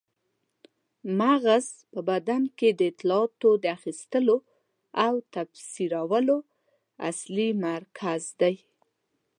مغز په بدن کې د اطلاعاتو د اخیستلو او تفسیرولو اصلي مرکز دی.